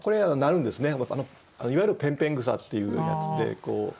いわゆるぺんぺん草っていうやつで。